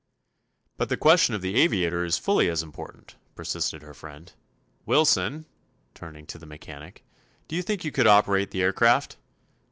"But the question of the aviator is fully as important," persisted her friend. "Wilson," turning to the mechanic, "do you think you could operate the aircraft?"